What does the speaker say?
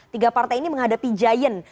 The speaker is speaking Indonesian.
tiga partai ini menghadapi giant